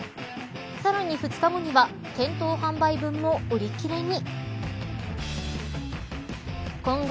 さらに２日後には店頭販売分も売り切れに。